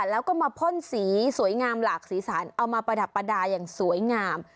แล้วก็มาพ่นสีสวยงามหลากสีสันเอามาประดับประดาษอย่างสวยงาม